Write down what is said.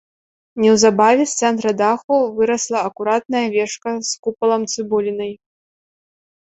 Неўзабаве з цэнтра даху вырасла акуратная вежка з купалам-цыбулінай.